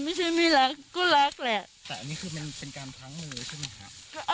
ไม่ใช่ไม่รักก็รักแหละแต่อันนี้คือมันเป็นการพลั้งมือใช่ไหมครับ